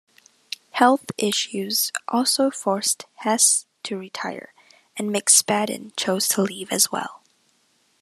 Health issues also forced Hess to retire and McSpadden chose to leave as well.